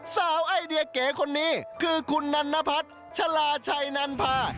ไอเดียเก๋คนนี้คือคุณนันนพัฒน์ชะลาชัยนันพา